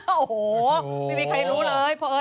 โอ้โหไม่ได้ใครรู้เลยเพราะเอ๊ย